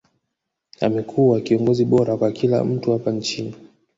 amekuwa kiongozi bora kwa kila mtu hapa nchini